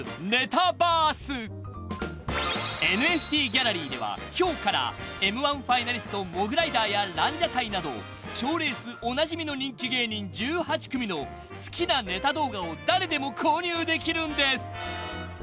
［ＮＦＴギャラリーでは今日からＭ−１ファイナリストモグライダーやランジャタイなど賞レースおなじみの人気芸人１８組の好きなネタ動画を誰でも購入できるんです］